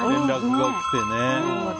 連絡が来てね。